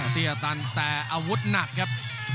เสียตันแต่อาวุธหนักครับ